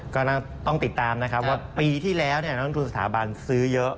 ก็ต้องติดตามนะครับว่าปีที่แล้วนักลงทุนสถาบันซื้อเยอะ